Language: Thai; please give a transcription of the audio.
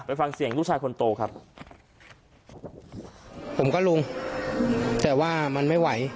ฟังเสียงลูกชายคนโตครับผมก็ลุงแต่ว่ามันไม่ไหว